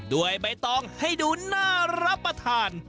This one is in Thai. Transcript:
ใบตองให้ดูน่ารับประทาน